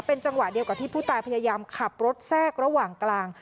เป็นจังหวะเดียวกับที่ผู้ตายพยายามขับรถแทรกระหว่างกลาง